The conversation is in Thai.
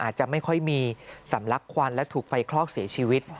อาจจะไม่ค่อยมีสำลักควันและถูกไฟคลอกเสียชีวิต